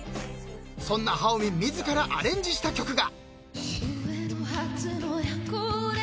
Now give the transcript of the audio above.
［そんなハオミン自らアレンジした曲が］